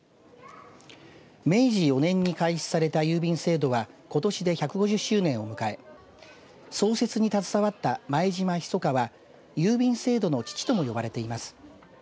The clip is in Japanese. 明治４年に開始された郵便制度はことしで１５０周年を迎え創設に携わった前島密は郵便制度の父とも呼ばれています。